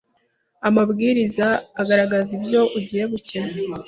amabwiriza agaragaza ibyo ugiye gukina